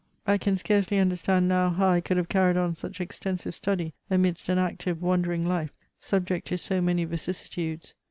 I can scarcely under stand now how I could have carried on such extensive study amidst an active wandering life, subject to so many vicissitudes.